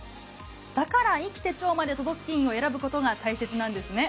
だから生きて腸まで届く菌を選ぶことが大切なんですね。